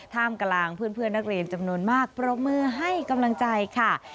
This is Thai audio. ท่ามกลางเพื่อนนักเรียนจำนวนมากปรบมือให้กำลังใจค่ะ